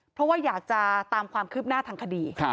เพราะว่าอยากจะตามความคืบหน้าทางคดี